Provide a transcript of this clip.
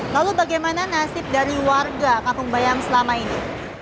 lalu bagaimana nasib dari warga kampung bayam selama ini